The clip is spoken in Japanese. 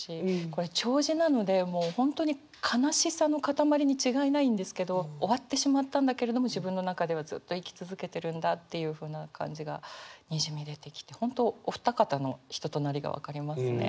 これ弔辞なのでもう本当に悲しさのかたまりに違いないんですけど終わってしまったんだけれども自分の中ではずっと生き続けてるんだっていうふうな感じがにじみ出てきて本当お二方の人となりが分かりますね。